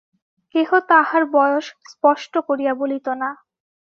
কেহ তাহার বয়স স্পষ্ট করিয়া বলিত না।